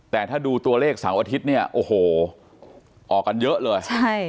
แต่ถ้าดูตัวเลขเสาร์อาทิตย์ออกกันเยอะเลย